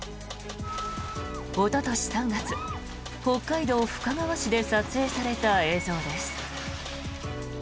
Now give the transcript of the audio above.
おととし３月、北海道深川市で撮影された映像です。